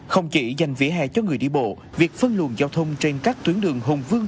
không chỉ dành vỉa hè cho người đi bộ việc phân luận giao thông trên các tuyến đường hùng vương